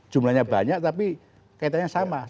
jumlahnya banyak tapi kaitannya sama